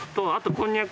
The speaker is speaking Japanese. こんにゃく。